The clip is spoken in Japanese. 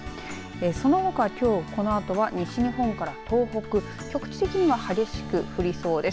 そのほか、きょうこのあとは西日本から東北局地的には激しく降りそうです。